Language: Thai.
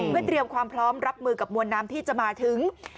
เพื่อเตรียมความพร้อมรับมือกับมวลน้ำที่จะมาถึง